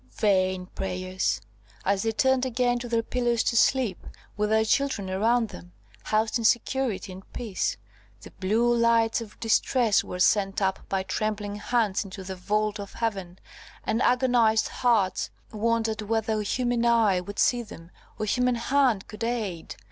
vain prayers! As they turned again to their pillows to sleep, with their children around them, housed in security and peace, the blue lights of distress were sent up by trembling hands into the vault of heaven, and agonised hearts wondered whether human eye would see them, or human hand could aid.